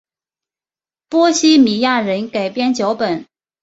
波希米亚人改编脚本。